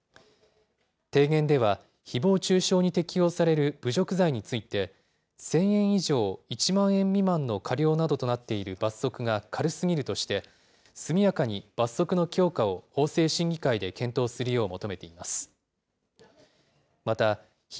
提言では、ひぼう中傷に適用される侮辱罪について１０００円以上、１万円未満の科料などとなっている罰則が軽すぎるとして、速やかに罰則の強化を法制審議会で検討するよう求めています。